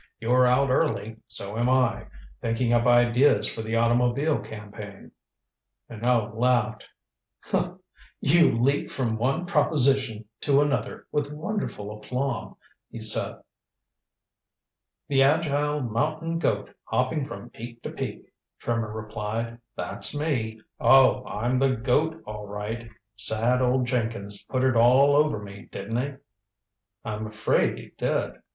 You're out early. So am I. Thinking up ideas for the automobile campaign." Minot laughed. "You leap from one proposition to another with wonderful aplomb," he said. "The agile mountain goat hopping from peak to peak," Trimmer replied. "That's me. Oh, I'm the goat all right. Sad old Jenkins put it all over me, didn't he?" "I'm afraid he did.